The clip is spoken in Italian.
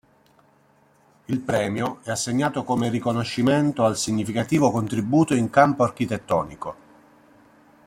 Il premio è assegnato come riconoscimento al significativo contributo in campo architettonico.